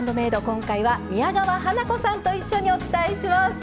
今回は宮川花子さんと一緒にお伝えします。